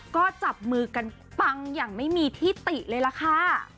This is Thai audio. ก็จับมือกันปังอย่างไม่มีที่ติเลยล่ะค่ะ